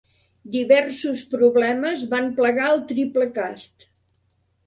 Diversos problemes van plagar el Triplecast.